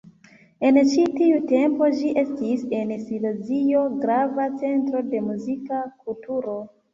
En ĉi tiu tempo ĝi estis en Silezio grava centro de muzika kulturo.